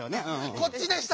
「こっちでした」！